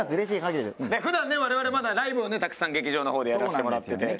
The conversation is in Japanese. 普段ね我々まだライブをねたくさん劇場の方でやらせてもらってて。